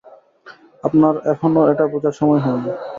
আপনার এখনো এটা বুঝার সময় হয়নি।